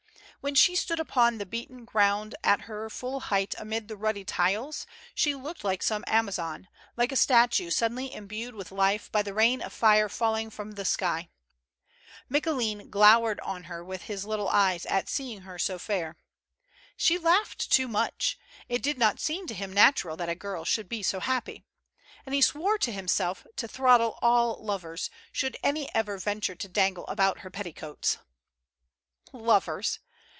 When she stood up on the beaten ground at her full height amid the ruddy tiles, she looked like some Amazon, like a statue suddenly imbued with life by the rain of fire falling from the sky. ]\[icoulin glowered on her with his little eyes at seeing her so fair. She laughed too much ; it did not seem to him natural that a girl should be so happy. And he swore to himself to throttle all lovers, should any ever venture to dangle about her petticoats I Lovers!